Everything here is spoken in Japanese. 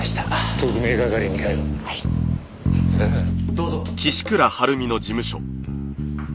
どうぞ。